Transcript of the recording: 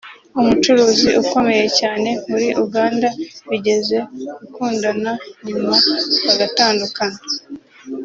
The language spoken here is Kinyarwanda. umucuruzi ukomeye cyane muri Uganda bigeze gukundana nyuma bagatandukana